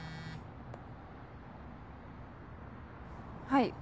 はい。